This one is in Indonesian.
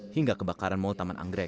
hingga kebakaran mall taman anggrek